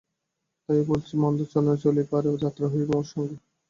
তাই ও বলছে– মন্দচরণে চলি পারে, যাত্রা হয়েছে মোর সাঙ্গ।